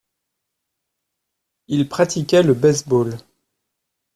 Il pratiquait le baseball.